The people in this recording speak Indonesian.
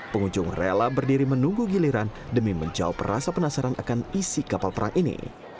pengunjung rela berdiri menunggu giliran demi menjawab rasa penasaran akan isi kapal perang ini